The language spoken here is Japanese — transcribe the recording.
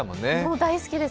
大好きです。